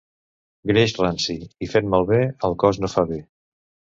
Greix ranci i fet malbé, al cos no fa bé.